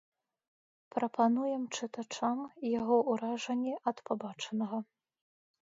Прапануем чытачам яго ўражанні ад пабачанага.